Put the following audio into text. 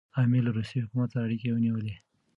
امیر له روسي حکومت سره اړیکي ونیولې.